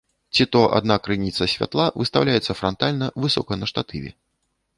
Ці то адна крыніца святла выстаўляецца франтальна высока на штатыве.